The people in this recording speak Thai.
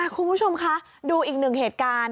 คุณผู้ชมคะดูอีกหนึ่งเหตุการณ์